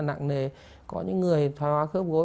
nặng nề có những người thói hóa khớp gối